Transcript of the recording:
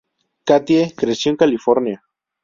Katie creció en California.